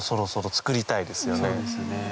そうですね。